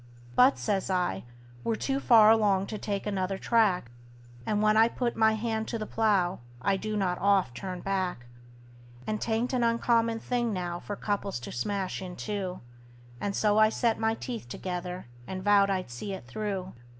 "But," says I, "we're too far along to take another track, And when I put my hand to the plow I do not oft turn back; And 'tain't an uncommon thing now for couples to smash in two;" And so I set my teeth together, and vowed I'd see it through.